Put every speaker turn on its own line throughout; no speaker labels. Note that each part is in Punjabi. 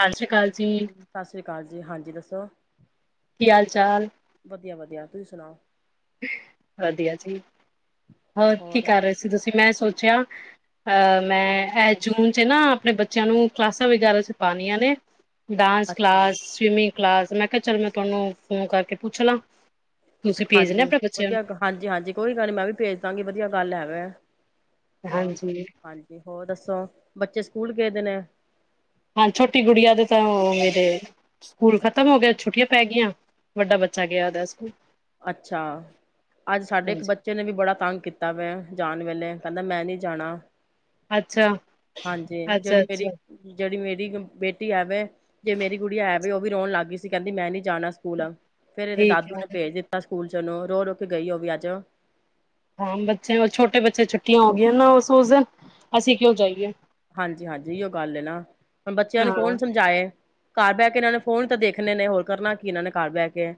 ਹਾਂਜੀ
ਸਤਿ ਸ੍ਰੀ ਅਕਾਲ ਜੀ, ਹਾਂਜੀ ਦੱਸੋ
ਕੀ ਹਾਲ ਚਾਲ
ਵਧੀਆ ਵਧੀਆ ਤੁਸੀਂ ਸੁਣਾਓ
ਵਧੀਆ ਜੀ ਹੋਰ ਕੀ ਕਰ ਰਹੇ ਸੀ, ਤੁਸੀਂ ਮੈਂ ਸੋਚ ਪੁਛਾ, ਅਹ ਮੈਂ ਇਹ ਜੂਨ ਚ ਨਾ ਆਪਣੇ ਬੱਚਿਆਂ ਨੂੰ ਕਲਾਸਾਂ ਵਗੈਰਾ ਚ ਪਾਾਨੀਆਂ ਨੇ, ਡਾਂਸ,
ਅੱਛਾ
ਕਲਾਸ ਸਵੀਮਿੰਗ ਕਲਾਸ ਮੈਂ ਕਿਹਾ ਚੱਲ ਮੈਂ ਤੁਹਾਨੂੰ ਫੋਨ ਕਰਕੇ ਪੁੱਛ ਲਾਂ ਤੁਸੀਂ ਭੇਜਣੇ
ਹਾਂਜੀ,
ਆਪਣੇ ਬੱਚਿਆਂ
ਵਧੀਆ ਹਾਂਜੀ, ਹਾਂਜੀ ਕੋਈ ਗੱਲ ਨੀ ਮੈਂ ਵੀ ਭੇਜ ਦਾਂਗੀ ਵਧੀਆ ਗੱਲ ਹੈਵੇ
ਨੂੰ
ਹਾਂ
ਹਾਂਜੀ,
ਹਾਂਜੀ ਹੋਰ ਦੱਸੋ ਬੱਚੇ ਸਕੂਲ ਗੇਪੇ ਨੇ
ਹਾਂ, ਛੋਟੀ ਗੁੜੀਆਂ ਦੇ ਤਾਂ ਇਹਦੇ ਸਕੂਲ ਖਤਮ ਹੋ ਗਿਆ ਛੁੱਟੀਆਂ ਪੈ ਗਈਆਂ ਵੱਡਾ ਬੱਚਾ ਗਿਆ ਉਹਦਾ ਸਕੂਲ
ਅੱਛਾ, ਅੱਜ ਸਾਡੇ ਇੱਕ
ਹਾਂਜੀ।
ਬੱਚੇ ਨੇ ਵੀ ਬੜਾ ਤੰਗ ਕੀਤਾ ਵਾ ਜਾਣ ਵੇਲੇ ਕਹਿੰਦਾ ਮੈਂ ਨੀ ਜਾਣਾ
ਅੱਛਾ,
ਹਾਂਜੀ
ਅੱਛਾ,
ਜਿਹੜੀ
ਅੱਛਾ।
ਮੇਰੀ ਜਿਹੜੀ ਮੇਰੀ ਬੇਟੀ ਐਵੇ ਜੇ ਮੇਰੀ ਗੜੀ ਐਵੇ ਉਹ ਵੀ ਰੋਣ ਲੱਗ ਗਈ ਸੀ ਕਹਿੰਦੀ ਮੈਂ ਨੀ ਜਾਣਾ ਸਕੂਲ ਫੇਰ ਇਹਦੇ
ਠੀਕ
ਦਾਦੂ
ਹੈ,
ਨੇ ਭੇਜ ਦਿੱਤਾ ਸਕੂਲ ਚਣੋ ਰੋ ਰੋ ਕੇ ਗਈ ਉਹ ਵੀ ਅੱਜ
ਹਾਂ, ਬੱਚੇ ਛੋਟੇ ਬੱਚੇ ਛੁੱਟੀਆਂ ਹੋ ਗਈਆਂ ਨਾ ਉਸ ਉਸ ਦਿਨ ਅਸੀਂ ਕਿਉਂ ਜਾਈਏ।
ਹਾਂਜੀ- ਹਾਂਜੀ ਉਹ ਗੱਲ ਨਾ ਹੁਣ ਬੱਚਿਆਂ ਨੂੰ ਕੌਣ
ਹਾਂ
ਸਮਝਾਏ ਘਰ ਬਹਿ ਕੇ ਇਹਨਾਂ ਨੇ ਫੋਨ ਤਾਂ ਦੇਖਣੇੇ ਨੇ ਹੋਰ ਕਰਨਾ ਕੀ ਇਹਨਾਂ ਨੇ ਘਰ ਬਹਿ ਕੇ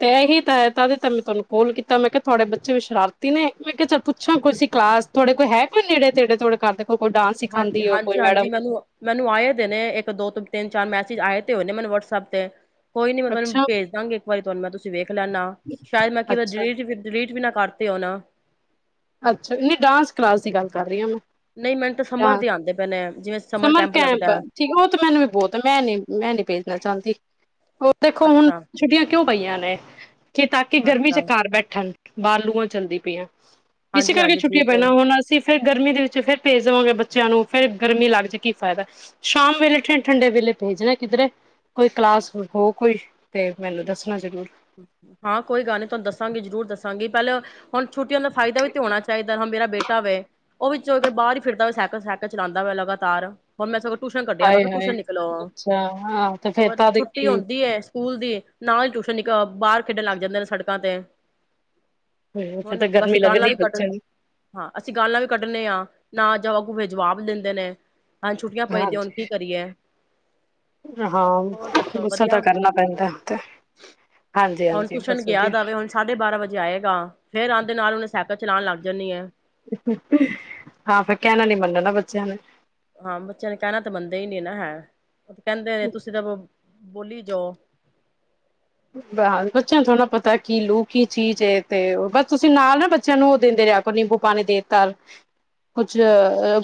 ਤਾਂਹੀ ਤਾਂ ਤ ਮੈਂ ਤੁਹਾਨੂੰ ਕਲ ਕੋਲ ਕੀਤਾ ਮੈਂ ਕਿਹਾ ਤੁਹਾਡੇ ਬੱਚੇ ਵੀ ਸ਼ਰਾਰਤੀ ਨੇ ਮੈਂ ਕਿਹਾ ਚਲ ਪੁੱਛਾਂ ਕੋਈ ਸੀ ਕਲਾਸ ਤੁਹਾਡੇ ਕੋਲ ਹੈ ਕੋਈ ਨੇੜੇ ਤੇੜੇ ਤੁਹਾਡੇ ਘਰ ਦੇ ਕੋਲ ਕੋਈ ਡਾਂਸ
ਹਾਂਜੀ-
ਸਿਖਾਉਂਦੀ ਹੋ ਕੋਈ
ਹਾਂਜੀ,
ਮੈਡਮ
ਹਾਂਜੀ ਮੈਨੂੰ ਮੈਨੂੰ ਆਏ ਦਿ ਨੇ ਇੱਕ ਦੋ ਤ ਤਿੰਨ ਚਾਰ ਮੈਸਜ ਚ ਆਏ ਤੇ ਹੋਣੇ ਮੈਨ ਵਟਸਐਪ ਤੇ ਕੋਈ ਨੀ ਮੈਂ ਤੁਹਾਨੂੰ
ਅੱਛਾ
ਭੇਜਦਾਂਗੀ ਇੱਕ ਵਾਰੀ ਤੁਹਾਨੂੰ ਮੈਂ ਤੁਸੀਂ ਵੇਖ ਲੈਦਾ ਸ਼ਾਇਦ ਮੈਂ ਕੀ ਡਿ
ਅੱਛਾ
ਡਿਲੀਟ ਵੀ ਨਾ ਕਰਤੇ ਓ ਨਾ
ਅੱਛਾ ਨਹੀਂ ਡਾਂਸ ਕਲਾਸ ਦੀ ਗੱਲ ਕਰ ਰਹੀ ਹਾਂ ਮੈਂ
ਨਹੀਂ ਮੈਨੂੰ ਤਾਂ ਸਮਰ
ਡਾਂਸ
ਦੇ ਆਂਦੇ ਪਏ ਨੇ ਜਿਵੇਂ
ਸਮਰ ਕੈਂਪ
ਲੱਗਦਾ
ਠੀਕ ਉਹ ਤੇ ਮੈਨੂੰ ਵੀ ਬਹੁਤ ਮੈਂ ਨੀ ਮੈਂ ਨੀ ਭੇਜਣਾ ਚਾਹੁੰਦੀ ਉਹ ਦੇਖੋ ਹੁਣ ਛੁੱਟੀਆਂ ਕਿਉਂ ਪਈਆਂ ਨੇ ਕਿ ਤਾਂ ਕਿ ਗਰਮੀ ਚ
ਅੱਛਾ-ਅੱਛਾ
ਘਰ ਬੈਠਣ ਬਾ ਲੂਆਂ ਚੱਲਦੀ ਪਈਆਂ। ਇਸ ਕਰਕੇ
ਹਾਂਜੀ-ਹਾਂਜੀ
ਛੁੱਟੀਆਂ
ਠੀਕ ਹੈ।
ਪੈਣਾ ਹੁਣ ਅਸੀਂ ਫਿਰ ਗਰਮੀ ਦੇ ਵਿੱਚ ਫੇਰ ਭੇਜ ਦੇਵਾਂਗੇ ਬੱਚਿਆਂ ਨੂੰ ਫੇਰ ਗਰਮੀ ਲੱਗ ਜਾ ਕੀ ਫਾਇਦਾ ਸ਼ਾਮ ਵੇਲੇ ਠੰਡੇ ਵੇਲੇ ਭੇਜਣਾ ਕਿੱਧਰੇ ਕੋਈ ਕਲਾਸ ਹੋ ਕੋਈ ਤੇ ਮੈਨੂੰ ਦੱਸਣਾ ਜ਼ਰੂੂਰ
ਹਾਂ, ਕੋਈ ਗੱਲ ਨੀ ਤੁਹਾਨੂੰ ਦੱਸਾਂਗੀ ਜ਼ਰੂਰ ਦੱਸਾਂਗੀ ਪਹਿਲਾਂ ਹੁਣ ਛੁੱਟੀਆਂ ਦਾ ਫ਼ਾਇਦਾ ਵੀ ਤੇ ਹੋਣਾ ਚਾਹੀਦਾ ਹ ਮੇਰਾ ਬੇਟਾ ਵੇ ਉਹ ਵਿੱਚੋਂ ਅਗਰ ਬਾਹਰ ਹੀ ਫਿਰਦਾ ਹੋ ਸਾਈਕਲ ਸਾਈਕਲ ਚਲਾਉਂਦਾ ਹੋ ਲਗਾਤਾਰ ਹੁਣ ਮੈਂਥੋ ਟਿਊਸ਼ਨ ਕੱਢਿਆ ਮੈਂ
ਹਾਏ
ਕਿਹਾ
ਹਾਏ
ਟਿਊਸ਼ਨ ਨਿਕਲੋ
ਅੱਛਾ ਹਾਂ ਤੇ ਫੇਰ
ਹੋਰ
ਤਾਂ
ਛੁੱਟੀ
ਦੇਖੀ
ਆਉਂਦੀ ਹੈ ਸਕੂਲ ਦੀ ਨਾਲ ਜੁੜ ਜਨੀ ਕ ਬਾਹਰ ਖੇਡਣ ਲੱਗ ਜਾਂਦੇ ਨੇ ਸੜਕਾਂ ਤੇ
ਫਿਰ ਤਾਂ
ਹੁਣ
ਗਰਮੀ
ਅਸੀਂ ਗਾਲਾਂ
ਲੱਗਣੀ
ਵੀ ਕੱਢ
ਬੱਚਿਆਂ ਨੂੰ
ਹਾਂ ਅਸੀਂ ਗਾਲਾਂ ਵੀ ਕੱਢਣੇ ਹਾਂ ਨਾ ਜਾਓਗੇ ਫਿਰ ਜਵਾਬ ਦਿੰਦੇ ਨੇ ਹਾਂ ਛੁੱਟੀਆਂ ਪਈ ਦੀਆਂ ਹੁਣ
ਹਾਂਜੀ,
ਕੀ ਕਰੀਏ ਹੋਰ
ਹਾਂ
ਦੱਸੋ
ਗੁੱਸਾ ਤਾਂ
ਵਧੀਆ
ਕਰਨਾ ਪੈਂਦਾ ਉਥੇ
ਹੁਣ ਟੁਸ਼ਣ ਗਿਆ ਦਾਵੇ ਹੁਣ ਸਾਢੇ ਬਾਰਾਂ ਵਜੇ ਆਏਗਾ, ਫੇਰ ਆਉਂਦੇ ਨਾਲ ਉਹਨੇ ਸਾਈਕਲ ਚਲਾਣ ਲੱਗ ਜਾਂਦੀ ਏ
ਹਾਂ ਫਿਰ ਕਹਿਣਾ ਨੀ ਮੰਨਣਾ ਬੱਚਿਆਂ ਨੇ
ਹਾਂ, ਬੱਚਿਆਂ ਨੇ ਕਹਿਣਾ ਤਾਂ ਮੰਨਦੇ ਹੀ ਨੀ ਨਾ ਹੈ। ਉਹ ਤੇ ਕਹਿੰਦੇ ਨੇ ਤੁਸੀਂ ਤਾਂ ਬੋਲੀ ਜਾਓ
ਬਸ ਬੱਚਿਆਂ ਨੂੰ ਥੋੜ੍ਹਾ ਪਤਾ ਕੀ ਲੂ ਕੀ ਚੀਜ਼ ਏ ਤੇ ਉਹ ਬਸ ਤੁਸੀਂ ਨਾਲ ਨਾ ਬਚ ਚ ਨੂੰ ਉਹ ਦਿੰਦੇ ਰਹਾ ਕੋ ਨਿੰਬੂ ਪਾਣੀ ਦੇ ਘਰ ਕੁਝ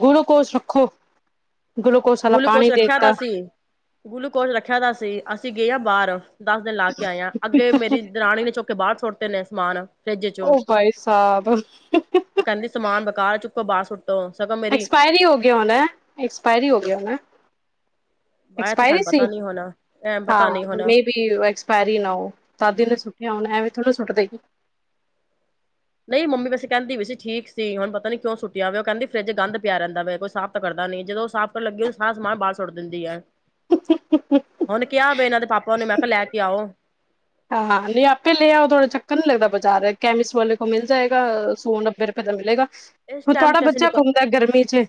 ਗੁਲੂਕੋਸ ਰੱਖੋ। ਗਲੂਕੋਸ ਵਾਲਾ ਪਾਣੀ
ਗੁਲੂਕੋਸ਼ ਰੱਖਿਆ ਦਾ
ਦੇਤਾ
ਸੀ, ਗੁਲੂਕੋਸ਼ ਰੱਖਿਆ ਦਾ ਸੀ ਅਸੀਂ ਗਏ ਹਾਂ ਬਾਹਰ ਦਸ ਦਿਨ ਲਾ ਕੇ ਆਇਆ, ਅੱਗੇ ਮੇਰੀ ਦਰਾਣੀ ਨੇ ਚੁੱਕ ਕੇ ਬਾਹਰ ਸੁੱਟ ਤੇ ਨੇ ਮਨ
ਉਹ ਭਾਈ ਸਾਹਿਬ।
ਉਹ ਕਹਿੰਦੀ ਸਮਾਨ [unintelligible] ਮੇਰੀ
ਐਕਸਪਾਇਰੀ ਹੀ ਹੋ ਗਿਆ ਹੋਣਾ ਐਕਸਪਾਇਰੀ ਹੋ ਗਿਆ ਹੋਣਾ।
ਆਇਆ ਤੇ ਸਾਨੂੰ
ਐਕਸਪਾਇਰੀ ਸੀ।
ਪਤਾ ਨੀ ਹੋਣਾ ਐ
ਹਾਂ
ਪਤਾ ਨੀ ਹੋਣਾ
ਮੈਂ ਬੀ ਐਕਸਪਾਇਰੀ ਨਾ ਹੋ ਤਦ ਹੀ ਓਹਨੇ ਸੁਟਿਆ ਹੋਣਾ। ਉਹ ਅਵਏ ਥੋੜੇ ਨਾ ਸੁੱਟ ਦੇ ਗੀ।
ਨਹੀਂ ਮੰਮੀ ਵੈਸ ਕਹਿੰਦੀ ਪਈ ਸੀ ਠੀਕ ਸੀ ਹੁਣ ਪਤਾ ਨੀ ਕਿਉਂ ਸੁਟਿਆ ਵੇ। ਉਹ ਕਹਿੰਦੀ ਫਰਿੱਜ ਗੰਦ ਪਿਆ ਰਹਿੰਦਾ ਵੇਂ। ਕੋਈ ਸਾਫ਼ ਤਾਂ ਕਰਦਾ ਨੀ ਜਦੋਂ ਉਹ ਸਾਫ਼ ਕਰਨ ਲੱਗੀਦੀ ਸਾਰਾ ਸਮਾਂਨ ਬਾਹਰ ਸੁੱਟ ਦਿੰਦੀ ਹੈ। ਹੁਣ ਕਿਹਾ ਹੋਵੇ ਇਹਨਾਂ ਦੇ ਪਾਪਾ ਨੂੰ ਮੈਂ ਕਿਹਾ ਲੈ ਕੇ ਆਓ।
ਹਾਂ ਹਾਂ ਨਹੀਂ ਆਪੇ ਲਿਆਓ ਤੁਹਾਡਾ ਚੱਕਰ ਨੀ ਲੱਗਦਾ ਬਾਜ਼ਾਰ ਕੈਮਿਸਟ ਵਾਲੇ ਕੋਲ ਮਿਲ ਜਾਏਗਾ ਸੋਨ ਨੱਬੇ ਰੁਪਏ ਦਾ ਮਿਲੇਗਾ।
ਇਸ ਟਾਈਮ
ਤੁਹਾਡਾ
ਤੇ ਅਸੀਂ
ਬੱਚਾ
ਨਿਕਲ
ਘੁੰਮਦਾ ਗਰਮੀ ਚ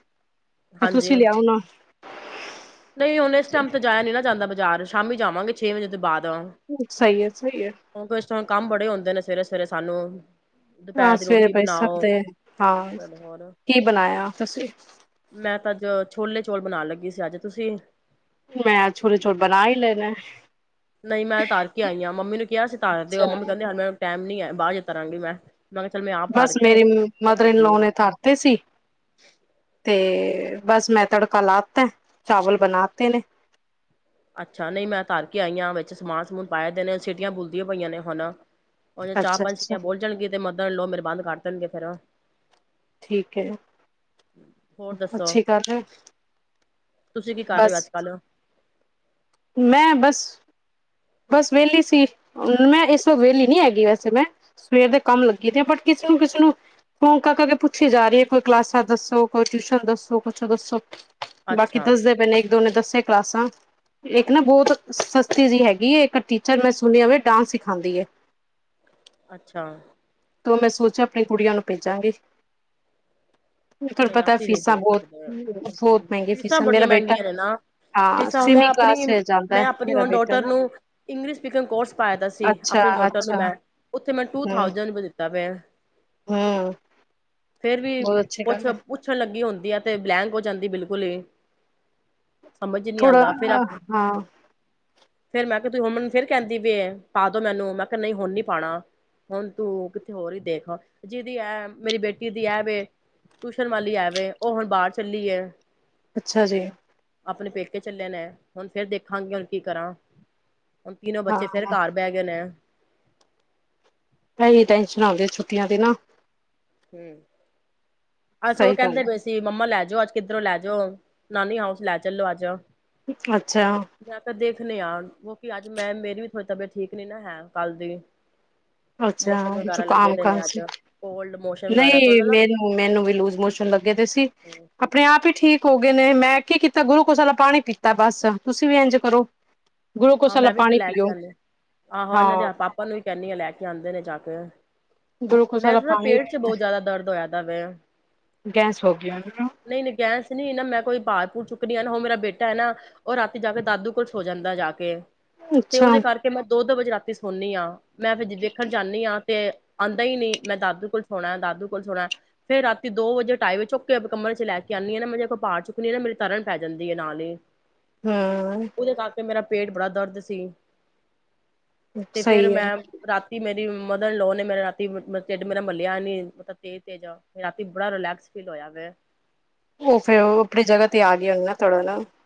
ਤੇ
ਹਾਂਜੀ।
ਤੁਸੀਂ ਲਿਆਓ ਨਾ
ਨਹੀਂ ਹੁਣ ਇਸ ਟਾਈਮ ਤੇ ਜਾਇਆ ਨੀ ਨਾ ਜਾਂਦਾ। ਬਾਜ਼ਾਰ ਸ਼ਾਮੀ ਜਾਵਾਂਗੇ ਛੇ ਵਜੇ ਤੋਂ ਬਾਅਦ।
ਸਹੀ ਹੈ ਸਹੀ ਹੈ
ਕਿਉਂਕਿ ਇਸ ਤੋਂ ਕੰਮ ਬੜੇ ਹੁੰਦੇ ਨੇ ਸਵੇਰੇ ਸਵੇਰੇ। ਫਿਰ ਸਾਨੂੰ
ਹਾਂ
ਦੁਪਹਿਰ ਦੀ
ਸਵੇਰੇ
ਰੋਟੀ
ਪਾਈ
ਬਣਾਓ
ਸਦੇ ਹਾਂ
ਚਲੋ ਹੋਰ
ਕੀ ਬਣਾਇਆ ਤੁਸੀਂ।
ਮੈਂ ਤਾਂ ਅੱਜ ਛੋਲੇ ਚੋਲ ਬਣਾ ਲੱਗੀ ਸੀ ਅੱਜ। ਤੁਸੀਂ
ਮੈਂ ਛੋਲੇ ਚੋਲ ਬਣਾ ਹੀ ਲੈ ਨੇ।
ਨਹੀਂ ਮੈਂ ਤਾਰ ਕੇ ਆਈ ਹਾਂ ਮੰਮੀ ਨੂੰ ਕਿਹਾ ਸੀ ਤਰ ਦਿਓ। ਮੰਮੀ ਕਹਿੰਦੀ ਹਲੇ ਮੇਰੇ ਕੋਲ ਟਾਈਮ ਨੀ ਹੈ। ਬਾਅਦ ਚ ਤਾਰਾ ਗਏ ਮੈਂ। ਮੈਂ ਕਿਹਾ ਚੱਲ ਮੈਂ ਆਪ ਤਰ
ਬਸ
ਕੇ
ਮੇਰੀ
ਫੇਰ
ਮਦਰ
ਵੇਖਣੀ
ਇਨਲੋ
ਆ
ਨੇ ਤਰਤੇ ਸੀ ਤੇ ਬਸ ਮੈਂ ਤੜਕਾ ਲਾਤਾ ਚਾਵਲ ਬਣਾਤੇ ਨੇ
ਅੱਛਾ ਨਹੀਂ ਮੈਂ ਤਰ ਕੇ ਆਈ ਹਾਂ ਵਿੱਚ ਸਮਾਨ ਸਮੂਨ ਪਾਏਦੇ ਨੇ ਸਿਟੀਆਂ ਬੁਲਦੀਆਂ ਪਈਆਂ ਨੇ ਹੁਣ ਉਹ ਚਾਰ
ਅੱਛਾ
ਪੰਜ
ਅੱਛਾ
ਛੀਆਂ ਬੋਲ ਜਾਣਗੇ ਤੇ ਮਦਨ ਲੋਓ ਮੇਰੇ ਬੰਦ ਕਰ ਦੇਣਗੇ ਫਿਰ
ਠੀਕ ਹੈ
ਹੋਰ ਦੱਸੋ
ਅੱਛੀ ਗੱਲ ਹੈ
ਤੁਸੀਂ ਕੀ ਕਰ ਰਹੇ ਹੋ
ਬਸ
ਅੱਜ ਕੱਲ
ਮੈਂ ਬਸ ਬਸ ਵਿਹਲੀ ਸੀ ਮੈਂ ਇਸ ਵਕਤ ਵਿਹਲੀ ਨਹੀਂਹੈਗੀ ਵੈਸੇ ਮੈਂ ਸਵੇਰ ਦੇ ਕੰਮ ਲੱਗੀ ਤੇ ਆ ਬ ਕਿਸੇ ਨੂੰ ਕਿਸੇ ਨੂੰ ਫੋਂ ਕਰ ਕੇ ਪੁੱਛੀ ਜਾ ਰਹੀ ਹੈ ਕੋਈ ਕਲਾਸਾਂ ਦੱਸੋ ਕੋਈ ਟਿਊਸ਼ਨ ਦੱਸੋ ਕੁਛ ਦੱਸੋ ਬਾਕੀ
ਅੱਛਾ
ਦੱਸਦੇ ਪਏ ਨੇ ਇੱਕ ਦੋ ਨੇ ਦੱਸੀਆਂ ਕਲਾਸਾਂ ਇੱਕ ਨਾ ਬਹੁਤ ਸਸਤੀ ਜੇਹੀ ਹੈਗੀ ਵੀ ਇੱਕ ਟੀਚਰ ਮੈਂ ਸੁਣਿਆਵੇ ਡਾਂਸ ਸਿਖਾਂਉਦੀ ਹੈ।
ਅੱਛਾ
ਤ ਮੈਂ ਸੋਚਿਆ ਆਪਣੀ ਕੁੜੀਆਂ ਨੂੰ ਭੇਜਾਂਗੀ ਤੁਹਾਨੂੰ
ਨਹੀਂ
ਪਤਾ
ਅਸੀਂ ਨਹੀਂ
ਫੀਸਾਂ
ਭੇਜ
ਬਹੁਤ
ਸਕਦੇ
ਬਹੁਤ
ਹਮ,
ਮਹਿੰਗੀਆਂ ਫੀਸਾਂ ਮੇਰਾ
ਬੜੀਆਂ
ਬੇਟਾ
ਮਹਿੰਗੀਆਂ ਨੇ ਨਾ
ਹਾਂ
ਫੀਸਾਂ ਮੈਂ
ਸਵੀਵਿੰਗ ਕਲਾਸ
ਆਪਣੀ
ਚ ਜਾਂਦਾ
ਮੈਂ ਆਪਣੀ
ਮੇਰਾ
ਹੁਣ
ਬੇਟਾ
ਡੋਟਰ
ਨਾ
ਨੂੰ ਇੰਗਲਿਸ਼ ਸਪੀਕਿੰਗ ਕੋਰਸ ਪਾਏ ਦਾ ਸੀ
ਅੱਛਾ
ਆਪਣੇ ਡੋਟਰ ਨੂੰ
ਅੱਛਾ
ਮੈਂ ਫ ਮੈਂ ਟੂ
ਹਮ
ਥਾਉਜੈਂਡ ਵੀ ਦਿੱਤਾ ਪਿਆ
ਹਮ
ਫੇਰ ਵੀ
ਬਹੁਤ ਅੱਛੀ
ਪੁੱਛ
ਗੱਲ ਹੈ
ਪੁੱਛਣ ਲੱਗੀ ਹੁਣ ਯਾਂ ਤੇ ਬਲੈਂਕ ਹੋ ਜਾਂਦੀ ਬਿਲਕੁਲ ਹੀ ਸਮਝ
ਥੋੜਾ ਅ ਹਾਂ
ਫੇਿਰ ਮੈਂ ਕਿਹਾ ਤ ਹੁਣ ਫਿਰ ਕਹਿੰਦੀ ਪਈ ਏ ਪਾ ਦੋ ਮੈਨੂੰ ਮੈਂ ਕਿਹਾ ਨਹੀਂ ਹੁਣ ਨੀ ਪਾਉਣਾ ਹੁਣ ਤੂੰ ਕਿੱਥੇ ਹੋਰ ਹੀ ਦੇਖ ਜਿਹਦੀ ਐ ਮੇਰੀ ਬੇਟੀ ਦੀ ਐ ਵੇ ਟਿਊਸ਼ਨ ਵਾਲੀ ਹੈ ਵੇ ਉਹ ਹੁਣ ਬਾਹਰ ਚੱਲੀ ਹੈ
ਅੱਛਾ ਜੀ
ਆਪਣੇ ਪੇਕੇ ਚੱਲੇ ਨੇ ਹੁਣ ਫੇਰ ਦੇਖਾਂਗੇ ਹੁਣ ਕੀ ਕਰਾਂ ਹੁਣ ਤਿੰਨੋ ਬੱਚੇ ਫੇਰ
ਹਾਂ
ਘਰ ਬਹਿ ਗਏ ਨੇ
ਇਹੀ ਟੈਨਸ਼ਨਾ ਹਉਂਦੀਆਂ ਛੁੱਟੀਆਂ ਦੀ ਨਾ
ਹਮ ਅਜ ਉਹ
ਸਹੀ ਗੱਲ
ਕਹਿੰਦੇ ਪਏ ਸੀ ਮੰਮਾ ਲੈ ਜੋ ਅੱਜ ਕਿੱਧਰੋਂ ਲੈ ਜੋ, ਨਾਨੀ ਹਾਊਸ ਲੈ ਚਲੋ ਅੱਜ।
ਹੈ ਅੱਛਾ
ਮੈਂ ਤਾਂ ਦੇਖਣੇ ਆ ਕਿਉਂਕਿ ਅੱਜ ਮੈਂ ਮੇਰੀ ਵੀ ਹੋਰ ਤਬੀਅਤ ਠੀਕ ਨੀ ਨਾ ਹੈ ਕੱਲ ਦੀ।
ਅੱਛਾ
ਮੋਸ਼ਨ ਵਗੈਰਾ ਲੱਗੇ
ਜ਼ੁਕਾਮ
ਦੇ ਨੇ ਅੱਜ
ਖਾਂਸੀ
ਕੋਲਡ ਮੋਸ਼ਨ ਵਗੈਰਾ ਥੋੜਾ
ਨਹੀਂ,
ਜਾ ਨਾ
ਮੈਨੂੰ ਮੈਨੂੰ ਵੀ ਲੂਜ ਮੋਸ਼ਨ ਲੱਗੇ ਦੇ ਸੀ ਆਪਣੇ ਆਪ ਹੀ ਠੀਕ ਹੋ ਗਏ ਨੇ ਮੈਂ ਕੀ ਕੀਤਾ ਗੁਲੂਕੋਜ਼ ਵਾਲਾ ਪਾਣੀ ਪੀਤਾ ਬਸ ਤੁਸੀਂ ਵੀ ਇੰਝ ਕਰੋ। ਗਲੂਕੋਸ
ਹਾਂ,
ਵਾਲਾ
ਮੈਂ ਵੀ ਤੇ
ਪਾਣੀ
ਲੈ ਕੇ
ਪੀਓ
ਆਣੀ ਹਾਂ ਆਹੋ
ਹਾਂ
ਇਹਨਾਂ ਦੇ ਪਾਪਾ ਨੂੰ ਵੀ ਕਹਿੰਦੀ ਆ ਲੈ ਕੇ ਜਾਂਦੇ ਨੇ ਜਾ ਕੇ।
ਗਲੂਕੋਸ
ਮੈਂ
ਵਾਲਾ
ਤਾਂ
ਪਾਣੀ
ਪੇਟ ਚ ਬਹੁਤ ਜ਼ਿਆਦਾ ਦਰਦ ਹੋਇਆ ਤਾਂ ਪਇਆ
ਗੈਸ ਹੋ ਗਈ ਉਹਨੂੰ।
ਨਹੀਂ ਨਹੀਂ ਗੈਸ ਨਹੀਂ ਨਾ ਮੈਂ ਕੋਈ ਪਾ। ਚੁੱਕਦੀਆਂ ਨਾ ਉਹ ਮੇਰਾ ਬੇਟਾ ਐ ਨਾ ਉਹ ਰਾਤੀ ਜਾ ਕੇ ਦਾਦੂ ਕੋਲ ਸੌ ਜਾਂਦਾ ਜਾ ਕੇ। ਕੇ। ਤੇ
ਅੱਛਾ
ਉਹਦੇ ਕਰਕੇ ਮੈਂ ਦੋ ਦੋ ਵਜੇ ਰਾਤੀ ਸੋਨੀ ਆ। ਮੈਂ ਵਿਚ ਵੇਖਣ ਜਾਣੀ ਆ। ਤੇ ਆਂਦਾ ਹੀ ਨਹੀਂ ਮੈਂ ਦਾਦੂ ਕੋਲ ਸੋਣਾ ਦਾਦੂ ਕੋਲ ਸੋਣਾ ਫੇਰ ਰਾਤੀ ਦੋ ਵਜੇ ਢਾਈ ਵਜੇ ਚੁੱਕ ਕੇ ਕਮਰੇ ਚ ਲੈ ਕੇ ਆਣੀ ਨਾ ਮੈਂ ਜਦੋਂ ਭਾਰ ਚੁੱਕਣੀ ਨਾ ਮੇਰੀ ਧਰਨ ਪੈ ਜਾਂਦੀ ਹੈ ਨਾਲ ਹੀ।
ਹੂੰ।
ਉਹਦੇ ਕਰਕੇ ਮੇਰਾ ਪੇਟ ਬੜਾ ਦਰਦ ਸੀ। ਤੇ ਫਿਰ
ਸਹੀ
ਮੈਂ
ਹੈ
ਰਾਤੀ ਮੇਰੀ [unintelligible] ਮੇਰਾ ਮੱਲਿਆ ਨੀ ਮਲਬ ਤੇਜ਼ ਤੇਜ ਰਾਤੀ ਬੜਾ ਰਿਲੈਕਸ ਫੀਲ ਹੋਇਆ
ਉਹ ਫਿਰ ਉਹ ਆਪਣੀ ਜਗ੍ਹਾ ਤੇ ਆ ਗਿਆ ਅਗਲਾ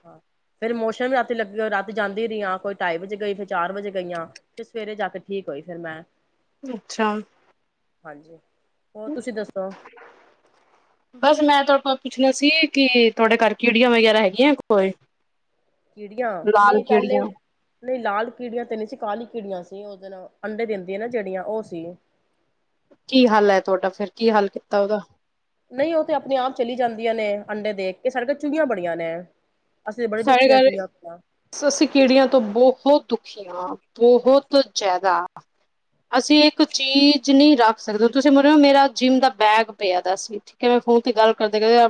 ਹਾਂ ਫੇਰ ਮੋਸ਼ਨ ਵੀ ਰਾਤੀ ਲੱਗੇ ਹੋ ਰਾਤ ਜਾਂਦੀ ਰਹੀ ਹਾਂ ਕੋਈ ਢਾਈ ਵਜੇ ਗਈ ਫਿਰ ਚਾਰ ਵਜੇ ਗਈਆਂ ਫਿਰ ਸਵੇਰੇ ਜਾ ਕੇ ਠੀਕ ਹੋਈ ਫਿਰ ਮੈਂ
ਅੱਛਾ
ਹਾਂਜੀ ਹੋਰ ਤੁਸੀਂ ਦੱਸੋ
ਬਸ ਮੈਂ [unintelligible] ਸੀ ਕਿ ਤੁਹਾਡੇ ਘਰ ਕੀੜੀਆਂ ਵਗੈਰਾ ਹੈਗੀਆਂ ਕੋਈ
ਕੀੜੀਆਂ
ਲਾਲ
ਨਹੀਂ ਪਹਿਲੇ
ਕੀੜੀਆਂ
ਨਹੀਂ ਲਾਲ ਕੀੜੀਆਂ ਤੇ ਨਹੀਂ ਸੀ ਕਾਲੀ ਕੀੜੀਆਂ ਸੀ ਉਹਦੇ ਨਾਲ ਅੰਡੇ ਦਿੰਦੀਆਂ ਨਾ ਜਿਹੜੀਆਂ ਉਹ ਸੀ
ਕੀ ਹਾਲ ਹੈ ਤੁਹਾਡਾ ਫੇਰ ਕੀ ਹਾਲ ਕੀਤਾ ਉਹਦਾ
ਨਹੀਂ ਉਹ ਤੇ ਆਪਣੇ ਆਪ ਚਲੀ ਜਾਂਦੀਆਂ ਨੇ ਅੰਡੇ ਦੇਖ ਕੇ ਸੜਕ ਚੂਹੀਆਂ ਬੜੀਆਂ ਨੇ ਅਸੀਂ ਬੜੇ
ਸਾਡੇ
ਦੁਖੀ ਹਾਂ
ਘਰ
ਚੂਹੀਆਂ ਤੋਂ
ਅਸੀਂ ਕੀੜੀਆਂ ਤੋਂ ਬਹੁਤ ਦੁਖੀਆਂ ਬਹੁਤ ਜ਼ਿਆਦਾ ਅਸੀਂ ਇੱਕ ਚੀਜ਼ ਨਹੀਂ ਰੱਖ ਸਕਦੇ ਤੁਸੀਂ ਮੰਨਿਓ ਮੇਰਾ ਜਿੰਮ ਦਾ ਬੈਗ ਪਿਆ ਦਾ ਅਸੀਂ ਠੀਕ ਹੈ ਮੈਂ ਫੋਨ ਤੇ ਗੱਲ ਕਰਦੇ ਕਹ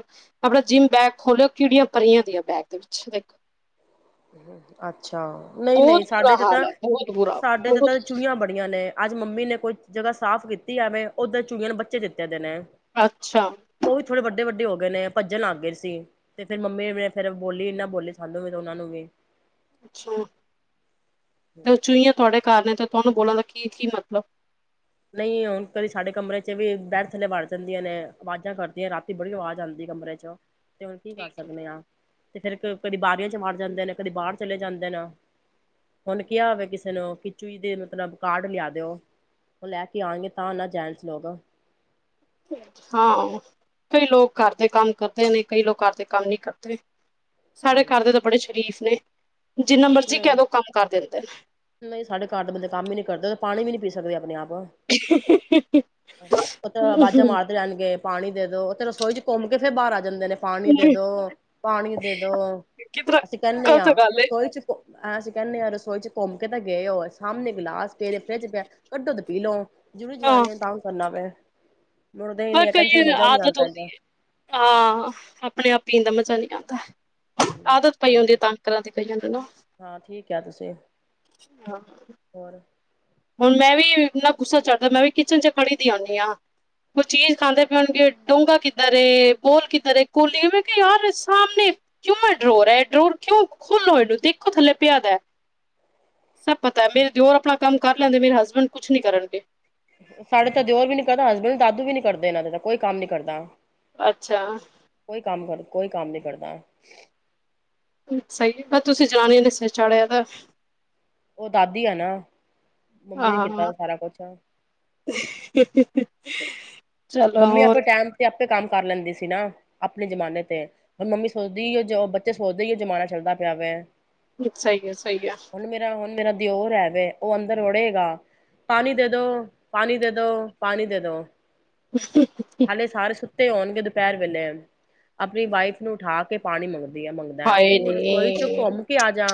ਆਪਣਾ ਜਿੰਮ ਬੈਗ ਖੋਲਿਓ ਕਿੜੀਆਂ ਪਰੀਆਂ ਦੀਆਂ ਬੈਗ ਵਿੱਚ ਦੇਖੋ
ਅੱਛਾ ਨਹੀਂ
ਬਹੁਤ
ਨਹੀਂ ਸਾਡੇ
ਬੁਰਾ
ਤੇ
ਹਾਲ
ਤਾਂ
ਹੈ ਬਹੁਤ ਬੁਰਾ
ਸਾਡੇ ਤੇ
ਬਹੁਤ
ਤਾਂ ਚੂਈਆਂ ਬੜੀਆਂ ਨੇ ਅੱਜ ਮੰਮੀ ਨੇ ਕੋਈ ਜਗ੍ਹਾ ਸਾਫ਼ ਕੀਤੀ ਜਾਵੇ ਉੱਧਰ ਚੂਹੀਆਂ ਨੇ ਬੱਚੇ ਦਿੱਤੇ ਦੇ ਨੇ
ਅੱਛਾ
ਉਹ ਵੀ ਥੋੜੇ ਵੱਡੇ ਵੱਡੇ ਹੋਗੇ ਨੇ ਭੱਜਣ ਆ ਗਏ ਸੀ ਤੇ ਫਿਰ ਮੰਮੀ ਫਿਰ ਬੋਲੀ ਇਹ ਨਾ ਬੋਲੀ ਸਾਨੂੰ ਵੀ ਉਹਨਾਂ ਨੂੰ ਵੀ
ਅੱਛਾ ਤੇ ਉਹ ਚੂਹੀਆਂ ਤੁਹਾਡੇ ਘਰ ਨੇ ਤੇ ਤੁਹਾਨੂੰ ਬੋਲਣ ਦਾ ਕੀ ਕੀ ਮਤਲਬ
ਨਹੀਂ ਹੁਣ ਕੀ ਸਾਡੇ ਕਮਰੇ ਚ ਵੀ ਬੈਠ ਥੱਲੇ ਵੜ ਜਾਂਦੀਆਂ ਨੇ ਆਵਾਜ਼ਾਂ ਕਰਦੀਆਂ ਰਾਤੀ ਬੜੀ ਆਵਾਜ਼ ਆਉਂਦੀ ਕਮਰੇ ਚ ਤੇ ਹੁਣ ਕੀ ਕਰ
ਠੀਕ
ਸਕਦੇ ਆ ਤੇ ਫੇਰ ਕਦੀ ਬਾਰੀਆਂ ਚ ਮਾਰ ਜਾਂਦੇ ਨੇ ਕਦੇ ਬਾਹਰ ਚਲੇ ਜਾਂਦੇ ਨੇ ਹੁਣ ਕਿਹਾ ਹੋਵੇ ਕਿਸੇ ਨੂੰ ਕਿ ਚੂਈ ਦੇ ਮਤਲਬ ਕਾਰਡ ਲਿਆ ਦਿਓ ਉਹ ਲੈ ਕੇ ਆਉਣਗੇ ਤਾਂ ਨਾ ਜੈਨਸ ਲੋਕ
ਹਾਂ ਕਈ ਲੋਕ ਘਰ ਦੇ ਕੰਮ ਕਰਦੇ ਨੇ ਕਈ ਲੋਕ ਘਰ ਦੇ ਕੰਮ ਨਹੀਂ ਕਰਦੇ ਸਾਡੇ ਘਰ ਦੇ ਤਾਂ ਬੜੇ ਸ਼ਰੀਫ ਨਹੀਂ ਜਿੰਨਾ ਮਰਜ਼ੀ ਕਹਿ
ਨਹੀਂ
ਲਓ ਕੰਮ ਕਰ ਦਿੰਦੇ ਨੇ
ਨਹੀਂ ਸਾਡੇ ਘਰ ਦੇ ਬੰਦੇ ਕੰਮ ਹੀ ਨੀ ਕਰਦੇ ਪਾਣੀ ਵੀ ਨੀ ਪੀ ਸਕਦੇ ਆਪਣੇ ਆਪ ਉਹ ਤੇ ਬਾਜਾਂ ਮਾਰਦੇ ਰਹਿਣਗੇ ਪਾਣੀ ਦੇ ਦੋ ਉਥੇ ਰਸੋਈ ਚ ਘੁੰਮ ਕੇ ਫੇਰ ਬਾਹਰ ਆ ਜਾਂਦੇ ਨੇ ਪਾਣੀ ਦੇ ਦੋ ਪਾਣੀ ਦੇ ਦੋ
ਕਿਧਰ
ਅਸੀਂ ਕਹਿਨੇ
ਗ਼ਲਤ
ਆ
ਗੱਲ ਏ
ਰਸੋਈ ਚ ਅਸੀਂ ਕਹਿੰਦੇ ਆ ਰਸੋਈ ਚ ਘੁੰਮ ਕੇ ਤਾਂ ਗਏ ਹੋ ਸਾਹਮਣੇ ਗਿਲਾਸ ਪੇ ਫਰਿੱਜ ਪਿਆ ਕੱਢੋ ਦ ਪੀਲਓ ਜਰੂਰੀ ਜਨਾਨੀਆਂ ਨੇ ਤਾਂ ਵੀ ਕਰਨਾ ਪਿਆ
ਬ ਕਈ ਆਦਤ
ਆਉਂਦਾ
ਹੁੰਦੀ
ਏਦਾਂ
ਏ ਹਾਂ ਆਪਣੇ ਆਪ ਹੀਦਾ ਮਤ ਅੱਚਾ ਨਹੀ ਆਤਾ ਆਦਤ ਪਈ ਹੁੰਦੀ ਹੈ,
ਹਾਂਜੀ
ਤਾਂਗ ਕਰਨ ਦੀ ਨਾ
ਹਾਂ ਠੀਕ ਆ ਤੁਸੀਂ
ਹਾਂ
ਹੋਰ
ਹੁਣ ਮੈਂ ਵੀ ਕਿਚਨ ਵਿੱਚ ਖੜੀ ਰਹਿੰਦੀ ਆ, ਕੋਈ ਚੀਜ਼ ਖਾਂਦੇ ਵੀ ਹੁੰਦੀ ਆ, ਡੂੰਗਾ ਕਿੱਥੇ ਬੋਲ ਕਿੱਥੇ ਵੇ ਮੈਂ ਕਿਹਾ ਬਿਲਕੁਲ ਸਾਹਮਣੇ ਪਿਆ ਡਰੋਅਰ ਕਿਉਂ ਹੈਗੇ ਨੇ ਖੁੱਲੋ ਇਹਨੂੰ ਮੈਂ ਕਿਹਾ ਬਿਲਕੁਲ ਸਾਹਮਣੇ ਪਿਆ ਡਰੋਅਰ ਕਿਉਂ ਹੈਗੇ ਨੇ ਖੋਲੋ ਇਹਨੂੰ ਦੇਖੋ ਥੱਲੇ ਪਿਆ ਦਾ ਸਭ ਪਤਾ ਮੇਰੇ ਦਿਓਰ ਆਪਣਾ ਕਰ ਲੈਂਦੇ ਮੇਰੇ ਹਸਬੈਂਡ ਕੁਛ ਨੀ ਕਰਨਗੇ
ਸਾਡੇ ਤਾਂ ਦਿਓਰ ਵੀ ਨੀ ਕਰਦਾ ਹਸਬੈਂਡ ਦਾਦੂ ਵੀ ਨੀ ਕਰਦੇ ਇਹਨਾਂ ਦੇ ਤਾਂ ਕੋਈ ਕੰਮ ਨੀ ਕਰਦਾ
ਅੱਛਾ
ਕੋਈ ਕੰਮ ਕਰ ਕੋਈ ਕੰਮ ਨੀ ਕਰਦਾ
ਸਹੀ ਬ ਤੁਸੀਂ ਜਨਾਨੀਆਂ ਨੇ ਸਿਰ ਚਾੜਿਆ ਤਾਂ
ਉਹ ਦਾਦੀ ਆ, ਨਾ ਮੰਮੀ ਨੇ
ਹਾਂ,
ਕੀਤਾ ਸਾਰਾ ਕੁਛ
ਚਲੋ
ਮੰਮੀ
ਹੋਰ
ਆਪਣੇ ਟਾਈਮ ਤੇ ਆਪ ਕੰਮ ਕਰ ਲੈਂਦੀ ਸੀ ਨਾ ਆਪਣੇ ਜਮਾਨੇ ਤੇ, ਹੁਣ ਮੰਮੀ ਸੋਚਦੀ ਉਹ ਬੱਚੇ ਸੋਚਦੇ ਉਹ ਜ਼ਮਾਨਾ ਚੱਲਦਾ ਪਿਆ ਵੇ
ਸਹੀ ਹੈ, ਸਹੀ ਹੈ
ਦਿਓ ਰਹਿਵੇ ਉਹ ਅੰਦਰ ੜੇਗਾ ਪਾਣੀ ਦੇ ਦੋ, ਪਾਣੀ ਦੇ ਦੋ, ਪਾਣੀ ਦੇ ਦੋ
[unintelligible]
ਹਾਲੇ ਸਾਰੇ ਸੁ ਤੇ ਆਉਣਗੇ ਦੁਪਹਿਰ ਵੇਲੇ ਆਪਣੀ ਵਾਈਫ ਨੂੰ ਉਠਾ ਕੇ ਪਾਣੀ ਮੰਗਦਾ ਵਧੀਆ ਮੰਗਦਾ
ਹਾਏ
ਤੂੰ
ਨੀ,
ਰਸੋਈ ਚੌ ਘੁੰਮ ਕੇ ਆ ਜਾ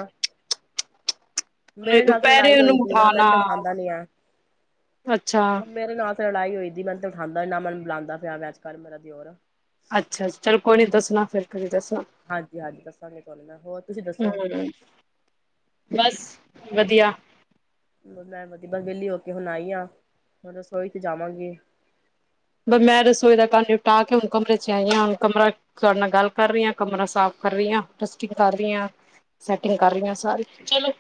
ਨਹੀਂ
ਮੇਰੇ ਨਾਲ ਤੇ ਲੜਾਈ
ਦੁਪਹਿਰੇ
ਹੋਈ
ਉਹਨੂੰ
ਦੀ ਏ ਨਾ ਮੈਨ
ਉਠਾਣਾ
ਤੇ ਉਠਾਦਾ ਨੀ ਏ,
ਅੱਛਾ,
ਮੇਰੇ ਨਾਲ ਲੜਾਈ ਹੋਈਦੀ ਮੇਨ ਤੇ ਉਠਾਦਾ ਨਾ ਮੈਨ ਬੁਲਾਦਾ ਪਿਆ ਵੇ, ਅਜ ਕੱਲ ਮੇਰਾ ਦਿਓਰ
ਅੱਛਾ ਚਲੋ ਕੋਈ ਨੀ ਦੱਸਣਾ ਫਿਰ ਤੁਸੀਂ ਦਸ
ਹਾਂਜੀ-ਹਾਂਜੀ ਦੱਸਾਂਗੇ ਤੁਹਾਨੂੰ ਮੈਂ ਹੋਰ ਤੁਸੀਂ ਦੱਸੋ?
[unintelligible] ਬਸ ਵਧੀਆ
ਮੈਂ ਵਧੀ ਬ ਵਿਹਲੀ ਹੋ ਕੇ ਹੁਣ ਆਈ ਆ, ਹੁਣ ਰਸੋਈ ਚ ਜਾਵਾਂਗੀ।
ਬ ਮੈਂ ਰਸੋਈ ਦਾ ਕੰਮ ਨਿਪਟਾ ਕੇ ਹੁਣ ਕਮਰੇ ਚ ਆਈ ਹਾਂ ਹੁਣ ਕਮਰਾ ਤੁਹਾਡੇ ਨਾਲ ਗੱਲ ਕਰ ਰਹੀ ਹਾਂ, ਕਮਰਾ ਸਾਫ਼ ਕਰ ਰਹੀ ਹਾਂ ਡਸਟਿੰਗ ਕਰ ਰਹੀ ਹਾਂ, ਸੈਟਿੰਗ ਕਰ ਰਹੀ ਹਾਂ ਸਾਰੀ ਚਲੋ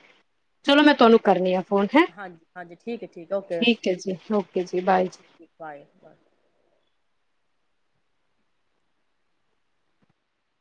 ਚਲੋ ਮੈਂ ਤੁਹਾਨੂੰ ਕਰਨੀ ਆ ਫੋਨ ਹੈ
ਹਾਂਜੀ-ਹਾਂਜੀ ਠੀਕ ਹੈ, ਠੀਕ ਓਕੇ
ਠੀਕ ਹੈ ਜੀ ਓਕੇ ਜੀ ਬਾਏ ਜੀ
ਬਾਏ ਬਾਏ।